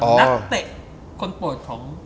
ฟิลบาร์ฟ